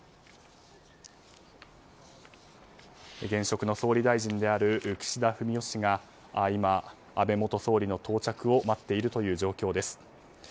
現職の総理大臣である岸田文雄氏が今、安倍元総理の到着を待っているという状況です。